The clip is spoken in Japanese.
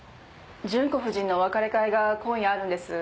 純子夫人のお別れ会が今夜あるんです。